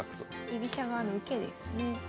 居飛車側の受けですね。